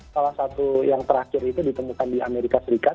salah satu yang terakhir itu ditemukan di amerika serikat